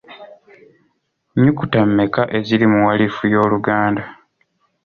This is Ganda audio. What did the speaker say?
Nnyukuta mmeka eziri mu walifu y’Oluganda?